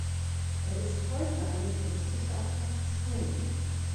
Er ist heute eine touristische Attraktion.